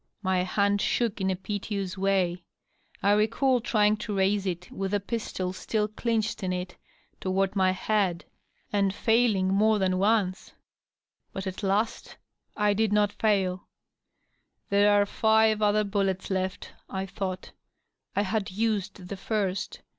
.. My hand shook in a piteous way ; I recall trying to raise it, with the pistol still DOUGLAS DUANJEi. §27 dinched in it^ toward my head, and failing more than onoe. Bat at last I did not fail. * There are five other bullets left/ I thought. .. I had used the first.